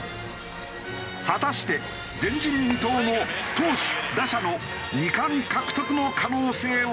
果たして前人未到の投手打者の２冠獲得の可能性はあるのだろうか？